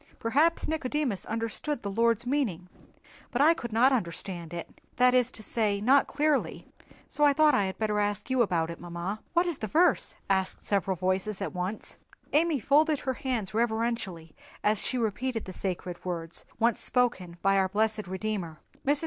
Perhaps Nicodemus understood the Lord's meaning, but I could not understand it—that is to say, not clearly—so I thought that I had better ask you about it, mamma." "What is the verse?" asked several voices at once. Amy folded her hands reverentially as she repeated the sacred words once spoken by our blessed Redeemer. Mrs.